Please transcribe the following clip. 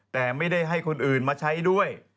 แต่ไม่ได้ให้คนอื่นมาใช้ด้วย